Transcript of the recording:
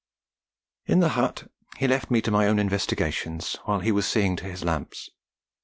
In the hut he left me to my own investigations while he was seeing to his lamps.